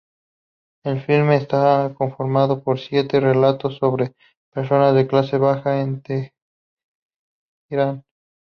El filme está conformado por siete relatos sobre personas de clase baja en Teherán.